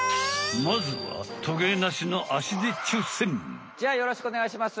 まずはじゃあよろしくおねがいします。